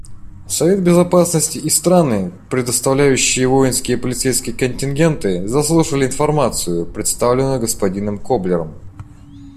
Совет Безопасности и страны, предоставляющие воинские и полицейские контингенты, заслушали информацию, представленную господином Коблером.